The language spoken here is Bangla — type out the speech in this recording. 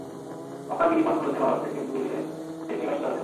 মক্কার গিরিপথগুলোতে মানুষ থেকে দূরে থেকে মেষ চরাতেন।